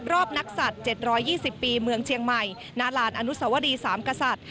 นักสัตว์๗๒๐ปีเมืองเชียงใหม่ณลานอนุสวรีสามกษัตริย์